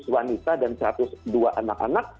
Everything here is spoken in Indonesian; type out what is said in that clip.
dua ratus wanita dan satu ratus dua anak anak